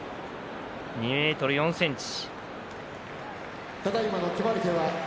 ２ｍ４ｃｍ。